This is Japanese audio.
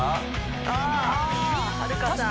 あはるかさん